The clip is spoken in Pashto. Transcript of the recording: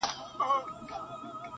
ه ستا د غزل شور له تورو غرو را اوړي